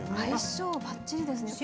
相性ばっちりですね。